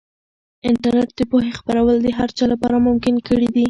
انټرنیټ د پوهې خپرول د هر چا لپاره ممکن کړي دي.